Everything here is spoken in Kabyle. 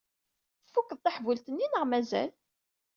Tfukkeḍ taḥbult-nni neɣ mazal?